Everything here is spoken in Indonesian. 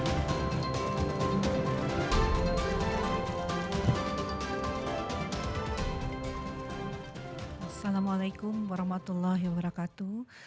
assalamualaikum warahmatullahi wabarakatuh